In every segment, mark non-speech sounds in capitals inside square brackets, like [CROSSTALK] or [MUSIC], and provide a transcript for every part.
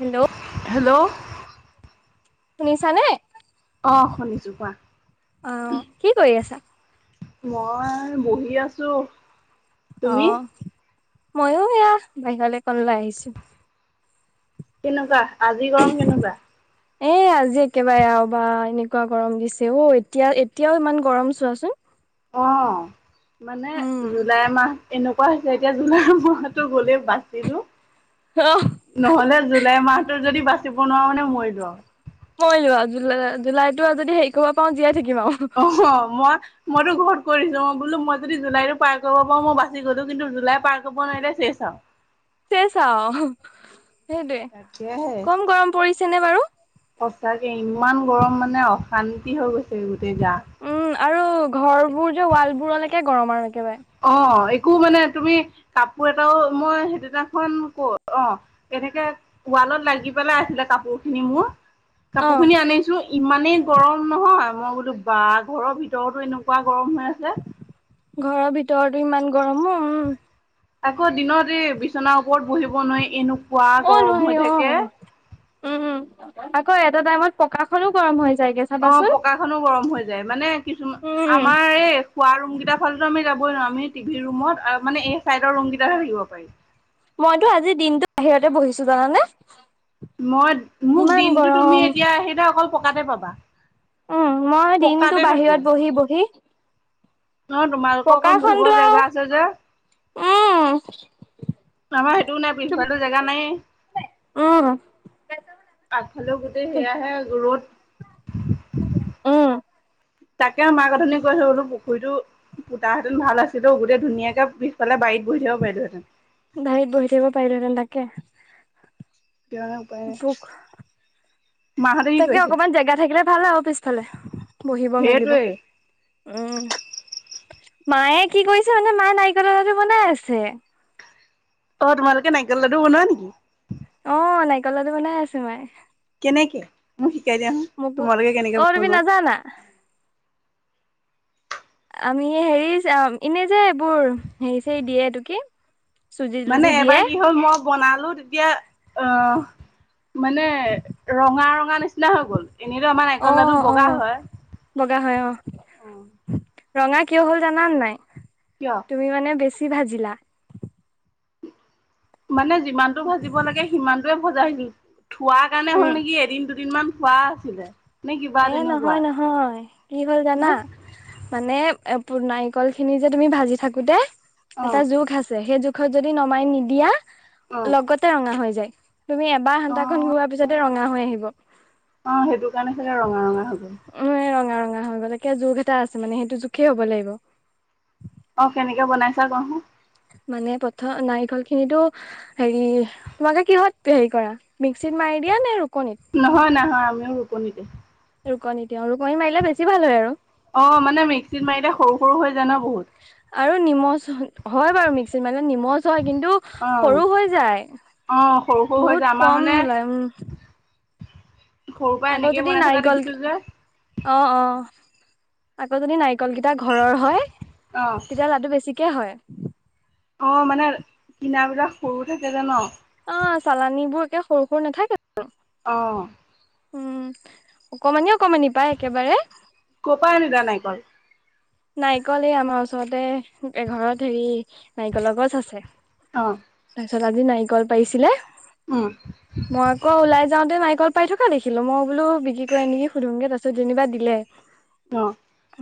Hello. Hello. শুনিছানে? অ', শুনিছোঁ কোৱা? অ', কি কৰি আছা? মই বহি আছোঁ। অ', মইওঁ এয়া বাহিৰলৈ অকন ওলাই আহিছোঁ। কেনেকুৱা আজি গৰম কেনেকুৱা? এ, আজি একেবাৰে আৰু বা এনেকুৱা গৰম দিছে অ', এতিয়া এতিয়াও ইমান গৰম চোৱাচোন। অ', মানে উম, জুলাই মাহত এনেকুৱা। কোৱা এতিয়া জুলাই মাহটো গ'লেই বাচিলোঁ। অ', নহ'লে জুলাই মাহটো যদি বাচিব নোৱাৰো, মানে মৰি লো আৰু। মই যোৱা জুলাই, জুলাইতো আৰু যদি হেৰি কৰিব পাৰোঁ। অ', মই। মইতো ঘৰত কৰিছোঁ, মই বোলো মই যদি জুলাইটো পাৰ কৰিব পাৰো মই বাছি গ'লোঁ, কিন্তু জুলাই পাৰ কৰিব নোৱাৰিলে শেষ আৰু। অ'। শেষ আৰু। সেইটোৱে তাকেহে কম গৰম পৰিছে নে বাৰু? সঁচাকে ইমান গৰম মানে অ'। শান্তি হৈ গৈছে এইবোৰ। উম, আৰু ঘৰ বোৰ যে ৱাল বোৰলৈকে গৰম আৰু। একেবাৰে অ'। একো মানে তুমি কাপোৰ এটাও মই সেইদিনাখন ক অ', কেনেকে ক তালত লাগি পেলাই আছিলে কাপোৰ খিনি মোৰ। কাপোৰ অ', খিনি আনিছোঁ ইমানেই গৰম নহয়, মই বোলো বা ঘৰৰ ভিতৰতো এনেকুৱা গৰম। হৈ আছে ঘৰৰ ভিতৰতো ইমান গৰমো উম। আকৌ দিনত এই বিচনাৰ ওপৰত বহিব নোৱাৰি এনেক অ'নোৱাৰি অ', উম, আকৌ এটা টাইমত পকাখনো গৰম হৈ যায়। অ', পকাখনো গৰম হৈ যায়, মানে কিছুমান উম, আমাৰ এই খোৱা ৰুম কেইটাৰ ফালতো আমি যাব। আমি টিভি ৰুমত এই চাইদৰ ৰুমত হে থিব পাৰি। মইতো আজি দিনটো বাহিৰতে বহিছো জানানে। মই মোক ইমান দিনটো তুমি গৰম। এতিয়া আহিলে অকল পকাতে পাবা। উম, মই দিনতটো পকাতে বাহিৰত বহি, বহি। অ', তোমালোকৰ অকণ বহিব পকাখনতো আৰু জেগা আছে যে। উম আমাৰ সেইটোও নাই তুম পিছফালেটো জেগা নাইয়েই। উম আগফালেও গোটেই তুম সেয়াহে ৰ'দ। উম তাকে মাক উঠনি কৈছোঁ বুলো। পুখুৰীতো পুতাহেঁতেন ভাল আছিলে, গোটেই ধুনীয়াকে পিছফালে বাৰীত বহি থাকিব পাৰিলোঁহেতেন। বাহিৰত বহি থাকিব পাৰিলোঁ হেতেন তাকে। এতিয়া মানে উপায় নাই ভোক মাহঁতে কি তাকে কৰিছে অকমান জেগা থাকিলে। ফালে আৰু পিছফালে বহিব মেলিব সেইটোৱে উম। মায়ে কি কৰিছে মানে মায়ে নাৰিকলৰ লাডু বনাই আছে। অ, তোমালোকে নাৰিকল লাডু বনোৱা নেকি? অ, নাৰিকল লাডু বনাই আছো মই। কেনেকে মোক শিকাই দিয়াচুন তোমালোকে কেনেকে অ' তুমি বনোৱা। নাজানা? আমি হেৰি এনে যে এইবোৰ হেৰি চেৰি দিয়ে এইটো কি? চুজি মানে তুজি দিয়ে এবাৰ কি হ'ল মই বনালো তেতিয়া অ, মানে ৰঙা ৰঙা নিচিনা হৈ গ'ল। এনেইতো আমাৰ অ নাৰিকল লাটো অ বগা হয়। বগা হয় অ, উম, ৰঙা কিয় হ'ল জানানে নাই? কিয় তুমি মানে বেছি ভাজিলা। মানে যিমানটো ভাজিব লাগে সিমানটোয়ে ভজাইছিল। থোৱাৰ কাৰণে হ'ল উম নেকি, এদিন দুদিনমান থোৱা আছিলে। নে কিবা এ, তেনেকুৱা নহয় নহয় কি হল জানা হা মানে এ, নাৰিকল খিনি যে তুমি ভাজি থাকোতে অ এটা জোখ আছে সেই জুখ থ, যদি নমাই নিদিয়া অ লগতে ৰঙা হৈ যায়। তুমি এবাৰ অ হাতাখন ঘোৱাৰ পিছতে ৰঙা হৈ আহিব। অ সেইটো কাৰণে চাগে ৰঙা ৰঙা হৈ গ'ল উ, ৰঙা ৰঙা হৈ গলে কে জোখ এটা আছে মানে সেইটো জোখেই হ'ব লাগিব। অ, কেনেকে বনাইছা কোৱাচোন? মানে প্ৰথম নাৰিকল খিনিতো হেৰি তোমালোকে কিহত হেৰি কৰা মেক্সিত মাৰি এতিয়া নে ৰুকনিত নহয়, নহয় আমি ৰুপনি তে ৰুকনিতে তেওঁ ৰুকনি মাৰিলে বেছি ভাল হয় আৰু। অ মানে মিক্সিত মাৰিলে সৰু সৰু হৈ যায় না বহুত? আৰু নিমজ হয় বাৰু মিক্সিত মানে নিমচ হয় কিন্তু অ সৰু হৈ যায়। অ সৰু সৰু হৈ যায় বহুত আমাৰ কম মানে ওলাই। সৰুৰ পৰা আকৌ এনেকে যদি বনাই থকা নাৰিকল, দেখিছো যে অ, অ, আকৌ যদি নাৰিকলকিটা ঘৰৰ হয়, অ তেতিয়া লাটো বেছিকে হয়। অ মানে কিনাবিলাক সৰু থাকে যে ন। অ, চালানীবোৰ একে সৰু সৰু নাথাকে জানো? অ, উম, অকমানি অকমানি পাই একেবাৰে। ক'ৰ পৰা আনিলা নাৰিকল নাৰিকল এই আমাৰ ওচৰতে এঘৰত হেৰি নাৰিকলৰ গছ আছে। অ, তথাপিও নাৰিকল পাৰিছিলে, উম মই আকৌ ওলাই যাওঁতে নাৰিকল। পাই থকা দেখিলো। মই বোলো বিক্ৰী কৰে নেকি সুধোমগে তাৰিছত যেনিবা দিলে। অ,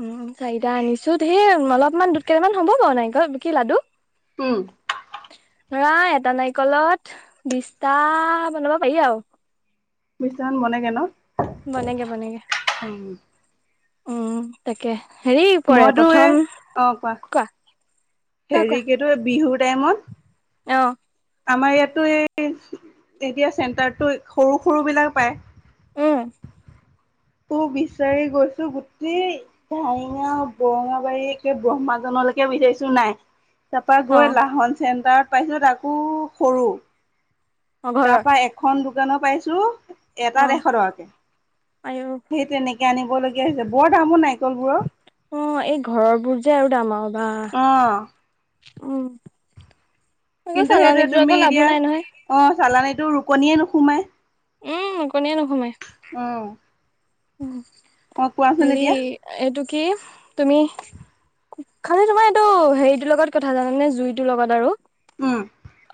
উম, চাৰিটা আনিছো ধেই অলপমান দু কেইটামান হ'ব বাৰু নাইকল কি লাডু। টোল। ৰাই এটা নাৰিকলত বিছটা বনাব পাৰি আৰু। বিশটামান বনেগে ন? বনেগ বনেগে। উম উম, তাকে। হেৰি কৰে মইতো এ, প্ৰথম অ, কোৱা? কোৱা কোৱা হেৰিকেতো বিহুৰ টাইমত। অ, আমাৰ ইয়াতো এই এতিয়া চেণ্টাৰটো সৰু সৰু বিলাক পায়। উম, তোৰ বিচাৰি গৈছো গোটেই ভাইঙা বৰঙাবাৰী একে ব্ৰহ্মাজনৰ লকে বিচাৰিছো নাই। তাৰপা অ গৈ লাহন চেণ্টাৰত পাইছোঁ আকৌ সৰু। অ ঘৰৰ তাৰপৰা এখন দোকানত পাইছোঁ, এটা অ ডেৰশ টকাকে। আয়ো সেই তেনেকে আনিবলগগীয়া হৈছে। বৰ দাম অ' নাৰিকলবোৰৰ। অ' এই ঘৰবোৰ যে আৰু দাম, বা। অ উম। আকৌ কিন্তু সেইটো চালানীবোৰ আকৌ তুমি লাভো এতিয়া নাই নহয় অ' চালানীটো ৰুকনিয়ে নোসোমাই। কনিয়ে নোসোমাই। উম উ, অ' কোৱাচোন হেৰি এতিয়া এইটো কি তুমি খালি তোমাৰ এইটো হেৰিটোৰ লগত কথা জানানে জুইটোৰ লগত আৰু। উম।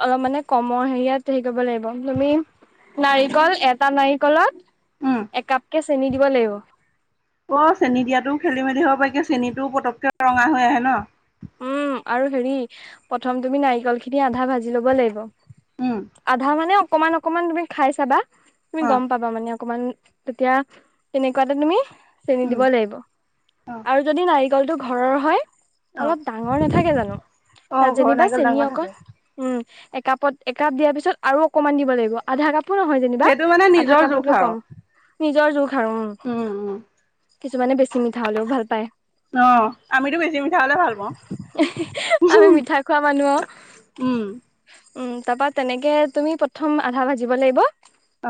অলপ মানে কমৰ হেৰিয়াত হেৰি কৰিব লাগিব। তুমি নাৰিকল এটা উম নাৰিকলত একাপকে চেনি দিব লাগিব। অ' চেনি দিয়াটো খেলি মেলি হ'ব পাৰে কিয় চেনীটোও পটককে ৰঙা হৈ আহে ন'। উম আৰু হেৰি প্ৰথম তুমি নাৰিকলখিনি আধা ভাজি লব লাগিব। উম আধা মানে অকমান অকমান তুমি খাই চাবা, তুমি অ' গম পাবা মানে। অকমান তেতিয়া তেনেকুৱাতে তুমি চেনি উম দিব লাগিব অ' আৰু যদি নাই কলটো ঘৰৰ হয় অ' অলপ ডাঙৰ নাথাকে জানো, তাত অ' ঘৰৰ যেনিবা নাৰিকল চেনী ডাঙৰ অকণ থাকে উম। একাপত একাপ দিয়াৰ পিছত আৰু অকমান দিব লাগিব, আধা কাপ টোও হয় যেনিবা সেইটো মানে আধা নিজৰ জোখ কাপতকে আৰু কম নিজৰ জোখ আৰু, উম। কিছুমানে বেছি মিঠা হ'লেও ভাল পায়। অ' আমিতো বেছি মিঠা হ'লে ভাল পাওঁ আমি মিঠা খোৱা মানুহ অ'। উম উম, তাৰপা তেনেকে তুমি প্ৰথম আধা ভাজিব লাগিব।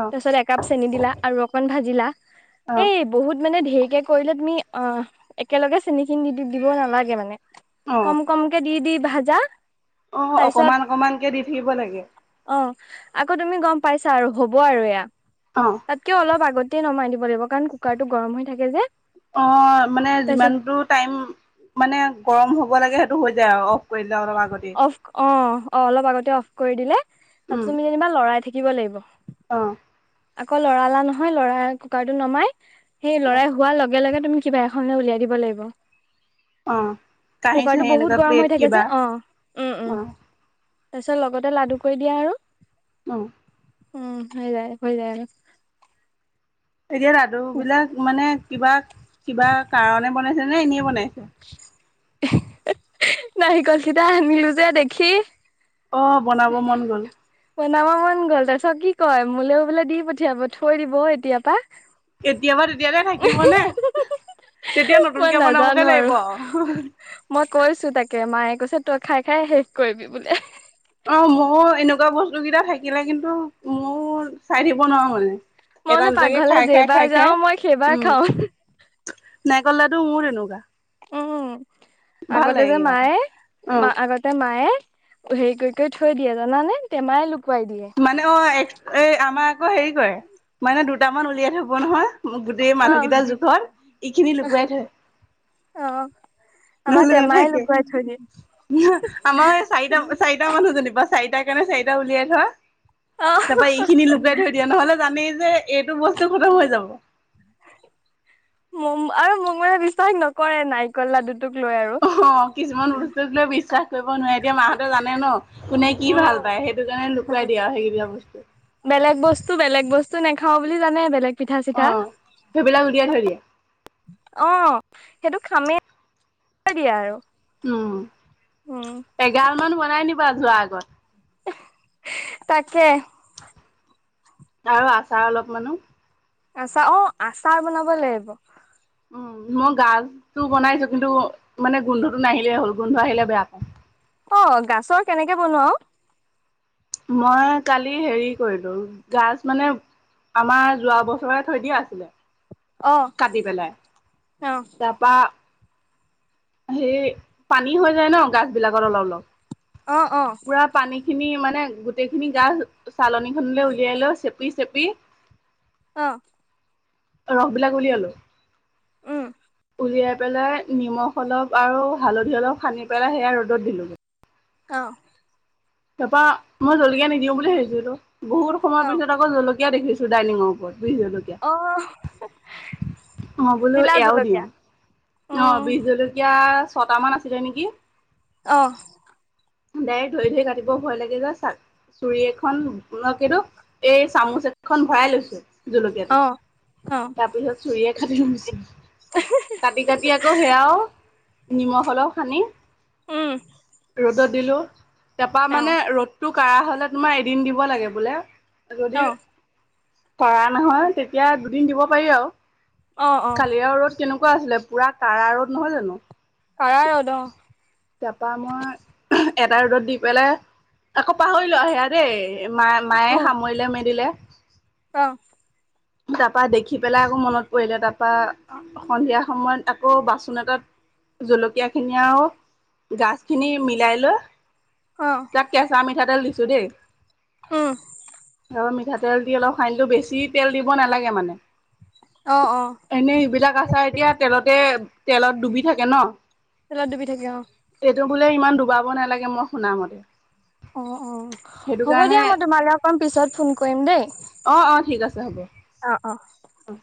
অ' একাপ চেনী দিলা আৰু অকন ভাজিলা, অ' এই বহুত মানে দী ধেৰিকে কৰিলে তুমি অ' একেলগে চেনখিনি দি দি দিব নালাগে মানে, অ' কম কমকে দি দি ভাজা অ' তাৰপিছত অকমান অকমানকে দি থাকিব লাগে। অ' আকৌ তুমি গম পাইছা আৰু হ'ব আৰু এয়া, অ' তাতকে অলপ আগতে নমাই দিব লাগিব কাৰণ কুকাৰটো গৰম হৈ থাকে যে। অ' মানে তাৰপিছত যিমানটো টাইম মানে গৰম হ'ব লাগে সেইটো হৈ যায় আৰু অ'। কৰিলে অলপ আগতে। অফ অ অ' অলপ আগতে অফ কৰি দিলে তাত উম, তুমি যেনিবা লৰাই থাকিব লাগিব। অ'। আকৌ লৰালা নহয়, লৰাই কুকাৰটো নমাই সেই অ', লৰাই হোৱাৰ লগে লগে তুমি কিবা এখন লৈ উলিয়াই দিব লাগিব। অ'। কাঁহী কুকাৰটো চাহী এনেকুৱা বহুত গৰম প্লেট হৈ থাকে যে কিবা অ' উম, উম। অ', তাৰপিছত লগতে লাডু কৰি দিয়া আৰু। অ'। উম [UNINTELLIGIBLE] এতিয়া লাদুবিলাক মানে কিবা কিবা কাৰণে মানে হিহঁতে এনেই বনাইছে। নাৰিকলকিটা আনিলো যে দেখি। অ' বনাব মন গ'ল। নামা মন গ'ল তাৰপিছত কি কয় মোলেও বোলে দি পঠিয়াব থৈ দিব এতিয়াপা। এতিয়াবা তেতিয়াহ'লে থাকিব নে? তেতিয়া মই নতুনকে বনাবগে নাজানো আৰু, লাগিব মই কৈছো তাকে মায়ে কৈছে হে, তই খাই খাই শেষ কৰিবি বুলে। অ' মই এনেকুৱা বস্তুকেইটা থাকিলে কিন্তু মোৰ চাই থাকিব নোৱাৰো মানে। মই মানে এটা দুটাকে পাকঘৰলে খাই খাই, যেইবাৰ খাই যাও খাই মই সেইবাৰ উম। খাও নাইকল লাডু মোৰ এনেকুৱা। উম, আগতে যে কিবা এটা মায়ে, অ', আগতে মায়ে হেৰি কৰি-কৰি থৈ দিয়ে জানানে তেমাইল মানে অ এ আমাৰ আকৌ হেৰি কৰে মানে দুটামান উলিয়াই থব নহয়। গোটেই অ মানুহকেইটাৰ জোখত, এইখিনি লুকুৱাই থয়। আহ। নহলে নাথাকে, আমাৰ এই চাৰিটা, চাৰিটা মানুহজনী বা চাৰিটা সেইকাৰণে চাৰিটা উলিয়াই থয়, অ তাৰ পৰা এইখিনি লুকাই থৈ দিয়ে, নহলে জানেই যে এইটো বস্তু খতম হৈ যাব। আৰু মংগল বিশ্বাস নকৰে নাৰিকল লাডু অহ কিছুমান বস্তুক লৈ বিশ্বাস কৰিব নোৱাৰি, এতিয়া মাহঁতে জানে ন। কোনে কি উম ভাল পায় সেইটো কাৰণে লুকুৱাই দিয়া হয়‌ সেইবিলাক বস্তু। নাই খাৱা বুলি জানে বেলেগ। পিঠা অ, চিঠা সেইবিলাক উলিয়াই থৈ দিয়ে। অ, সেইটো খামে দিয়া আৰু। উম, উম এগাল মান বনাই নিবা যোৱাৰ আগত। তাকে। আৰু আচাৰ অলপমানো। আচাৰ অ, আচাৰ বনাব লাগিব। উম, মই গাছটো বনাইছো কিন্তু মানে গোন্ধটো নাহিলেই হ'ল, গোন্ধ আহিলে বেয়া পাই। অ, গাছৰ কেনেকে বনোৱাও? মই কালি হেৰি কৰিলো গাছ মানে আমাৰ যোৱা বছৰে থৈ দিয়া আছিলে। অ কাটি পেলাই। অ তাৰপা হেৰি পানী হৈ যায় ন গছ বিলাকত অ অ অলপ-অলপ। পুৰা পানী খিনি মানে গোটেই খিনি গা চালনীখনলৈ উলিয়াই লৈ চেপি-চেপি অ। ৰস বিলাক উলিয়ালো। উম উলিয়াই পেলাই নিমখ অলপ আৰু হালধি অলপ সানি পেলাই সেয়া ৰ'দত দিলোঁগৈ। অ। তৰপা মই জলকীয়া নিদিওঁ বুলি ভাবিছিলো। বহুত সময়ৰ অ পিছত আকৌ জলকীয়া দেখিছো ডাইনিঙৰ ওপৰত বি জলকীয়া। অ অ, বোলো দিলা এয়াও দিওঁ, জলকীয়া অ উম বজ জলকীয়া ছটামান আছিলে নেকি। আহ। ডাইৰেক্ট ধৰি-ধৰি কাটিব ভয় লাগে যে চাৰ, চুৰি এখন এই চামুচ এখন ভৰাই লৈছে জলকীয়াটো, অ অ তাৰপিছত চুৰিয়ে কাটি লৈছে। কাটি-কাটি আকৌ সেয়াও নিমখ হলেও সানি। উম [INAUDIBLE] ৰ'দত দিলো, তাৰপা অ মানে ৰ'দটো কাঢ়া হলে তোমাৰ এদিন দিব লাগে বোলে। যদি অ ধৰা নহয় তেতিয়া দুদিন দিব পাৰি আৰু। অ অ কালিও ৰ'দ কেনেকুৱা আছিলে পুৰা কাৰা ৰ'দ নহয় জানো? কাৰা ৰ'দ অ তাৰপা মই এটা ৰ'দত দি পেলাই আকৌ পাহৰিলো আহি দেই মা মায়ে উম সামৰিলে মেলিলে। [INAUDIBLE] তাৰপা দেখি পেলাই আকৌ মনত পৰিলে তাৰপা সন্ধিয়া সময়ত আকৌ বাচন এটাত জলকীয়া খিনি আৰু গাছখিনি মিলাই লৈ অ তাক কেঁচা মিঠাতেল দিছো দেই। উম্। মিঠাতেল দি অলপ সানিলো বেছি তেল দিব নালাগে মানে। অ অ এনেই এইবিলাক আচাৰ এতিয়া তেলতে তেলত ডুবি থাকে ন? তেলত ডুবি থাকে অ', বোলে ইমান ডুবাব নালাগে, মই শুনামতে। অ' অ', হ'ব দিয়া। মই তোমালৈ অকণ পিছত ফোন কৰিম দেই। অ' ঠিক আছে হ'ব। অ অ অ',